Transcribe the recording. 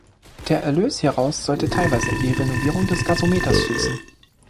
Der Erlös hieraus sollte teilweise in die Renovierung des Gasometers fließen.